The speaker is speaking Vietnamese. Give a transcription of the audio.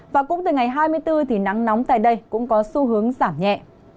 và cũng từ ngày hai mươi bốn thì nắng nóng tại đây cũng có xu hướng giảm nhẹ